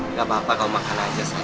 gak apa apa kamu makan aja santa